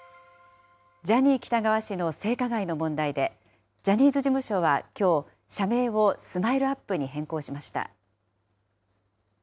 ジャニー喜多川氏の性加害の問題で、ジャニーズ事務所はきょう、社名をＳＭＩＬＥーＵＰ．に変更しました。